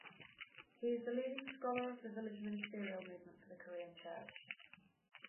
He is the leading scholar of the village ministerial movement for the Korean church.